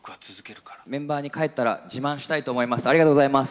メンバーに、帰ったら自慢したいと思います。